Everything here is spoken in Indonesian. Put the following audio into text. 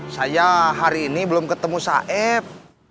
saya hari ini belum ketemu saib